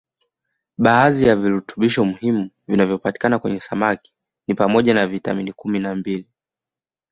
Baadhi ya virutubisho muhimu vinavyopatikana kwenye samaki ni pamoja na vitamin kumi na mbili